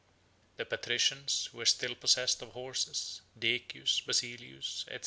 The patricians, who were still possessed of horses, Decius, Basilius, &c.